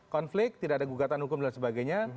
konflik tidak ada gugatan hukum dan sebagainya